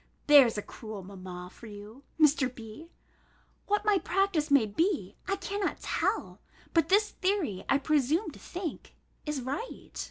There's a cruel mamma for you, Mr. B.! What my practice may be, I cannot tell; but this theory, I presume to think, is right.